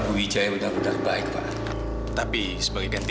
bukan saya yang membunuh insan pak